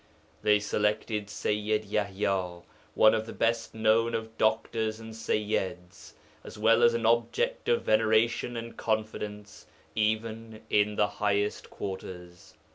They selected Sayyid Yaḥya, 'one of the best known of doctors and Sayyids, as well as an object of veneration and confidence,' even in the highest quarters.